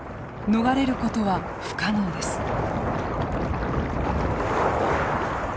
逃れることは不可能です。